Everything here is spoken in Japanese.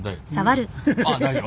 あっ大丈夫。